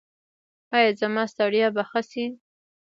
ایا زما ستړیا به ښه شي؟